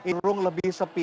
kurang lebih sepi